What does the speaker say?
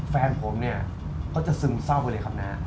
แฟนผมเนี่ยเขาจะซึมเศร้าเลยครับนะ